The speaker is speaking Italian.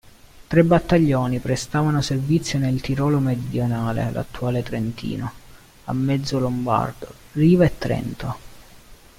Tre battaglioni prestavano servizio nel Tirolo meridionale l'attuale Trentino, a Mezzolombardo, Riva e Trento.